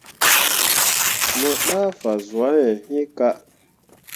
Mo ɗah fazwãhe iŋ kah.